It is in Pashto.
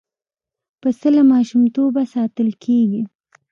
پسه له ماشومتوبه ساتل کېږي.